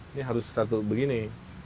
ini harus satu begini